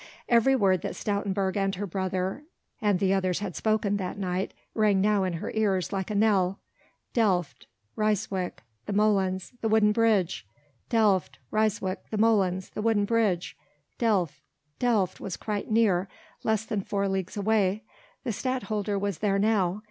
Every word that Stoutenburg and her brother and the others had spoken that night, rang now in her ears like a knell: Delft, Ryswyk, the molens, the wooden bridge! Delft, Ryswyk, the molens, the wooden bridge! Delft.... Delft was quite near, less than four leagues away ... the Stadtholder was there now